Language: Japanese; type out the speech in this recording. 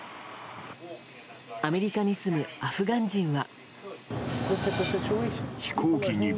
アメリカに住むアフガン人は。